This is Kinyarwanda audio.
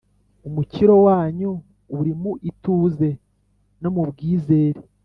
Umukiro wanyu uri mu ituze no mu bwizere